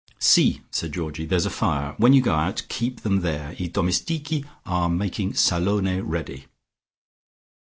"Si," said Georgie. "There's a fire. When you go out, keep them there. I domestichi are making salone ready."